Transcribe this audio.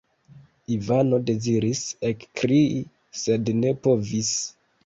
Ivano deziris ekkrii, sed ne povis.